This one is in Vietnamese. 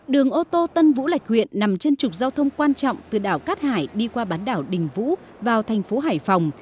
đường ô tô tân vũ lạch huyện nằm trên trục giao thông quan trọng từ đảo cát hải đi qua bán đảo đình vũ vào thành phố hải phòng